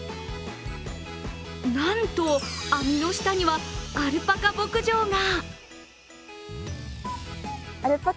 なんと網の下にはアルパカ牧場が。